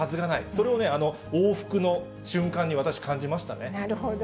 それを往復の瞬間に私、感じましなるほど。